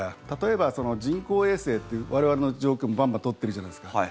例えば、人工衛星って我々の上空をバンバン通っているじゃないですか。